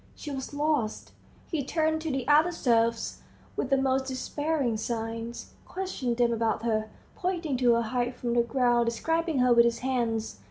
... She was lost! He turned to the other serfs, with the most despairing signs, questioned them about her, pointing to her height from the ground, describing her with his hands.